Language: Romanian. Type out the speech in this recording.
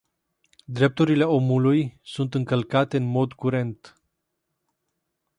Drepturile omului sunt încălcate în mod curent.